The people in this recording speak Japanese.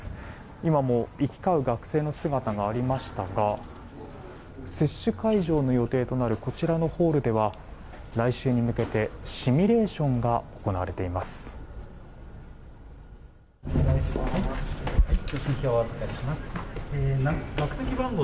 今も行き交う学生の姿がありましたが接種会場の予定となるこちらのホールでは来週に向けてシミュレーションが行われています。